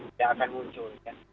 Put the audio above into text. bisa akan muncul